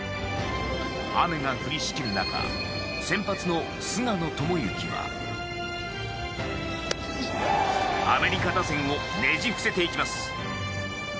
雨が降りしきる中先発の菅野智之はアメリカ打線をねじ伏せていきます。